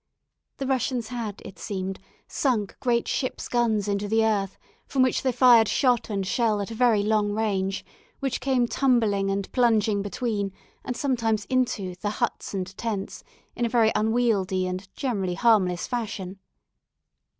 The Russians had, it seemed, sunk great ships' guns into the earth, from which they fired shot and shell at a very long range, which came tumbling and plunging between, and sometimes into the huts and tents, in a very unwieldy and generally harmless fashion.